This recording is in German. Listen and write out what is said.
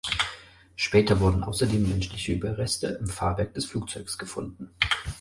Später wurden außerdem menschliche Überreste im Fahrwerk des Flugzeugs gefunden.